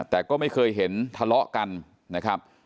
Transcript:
แต่ก็ไม่เคยเห็นทะเลาะกันนะครับ